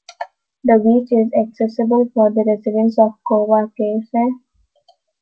The beach is accessible for the residents of Covacasa.